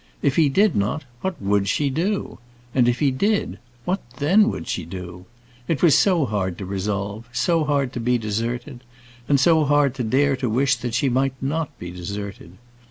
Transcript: If he did not, what would she do? and if he did, what then would she do? It was so hard to resolve; so hard to be deserted; and so hard to dare to wish that she might not be deserted!